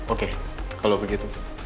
oke kalau begitu